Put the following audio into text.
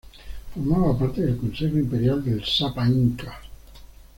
Formaban parte del Consejo imperial del Sapa Inca.